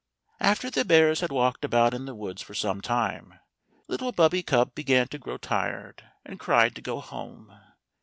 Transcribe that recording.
After the bears had walked about in the woods for some time, little bubby cub began to grow tired, and cried to go home.